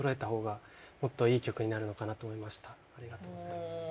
ありがとうございます。